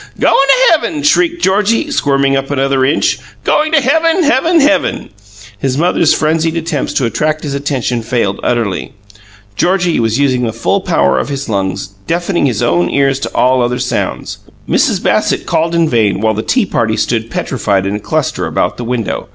"Going to heaven!" shrieked Georgie, squirming up another inch. "Going to heaven, heaven, heaven!" His mother's frenzied attempts to attract his attention failed utterly. Georgie was using the full power of his lungs, deafening his own ears to all other sounds. Mrs. Bassett called in vain; while the tea party stood petrified in a cluster about the window.